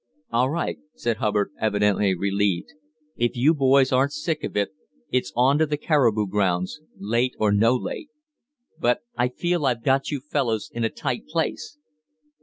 "All right," said Hubbard, evidently relieved. "If you boys aren't sick of it, it's on to the caribou grounds, late or no late. But I feel I've got you fellows in a tight place."